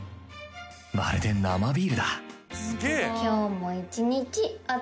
まるで生ビールだ